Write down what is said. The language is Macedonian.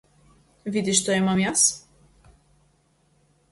Види што имам јас.